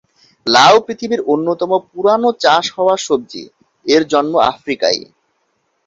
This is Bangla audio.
লাউ পৃথিবীর অন্যতম পুরনো চাষ হওয়া সবজি, এর জন্ম আফ্রিকায়।